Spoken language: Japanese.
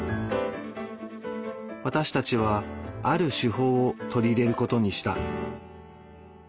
私たちはある手法を取り入れることにした。